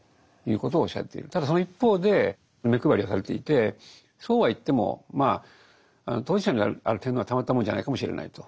ただその一方で目配りはされていてそうはいってもまあ当事者である天皇はたまったものじゃないかもしれないと。